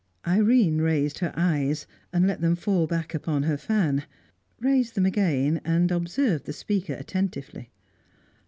Irene raised her eyes, and let them fall back upon her fan; raised them again, and observed the speaker attentively.